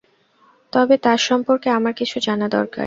তবে তার সম্পর্কে আমার কিছু জানা দরকার।